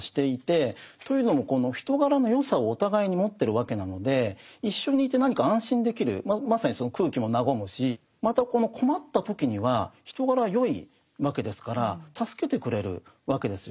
というのもこの人柄の善さをお互いに持ってるわけなので一緒にいて何か安心できるまさにその空気も和むしまたこの困った時には人柄は善いわけですから助けてくれるわけですよね。